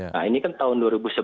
nah ini kan tahun dua ribu sebelas